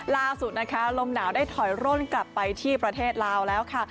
ล่าสุดนะคะลมหนาวได้ถอยร่นกลับไปที่ประเทศลาวแล้วค่ะ